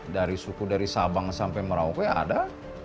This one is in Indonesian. dari suku dari sabang sampai merauke ada